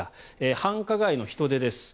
繁華街の人出です。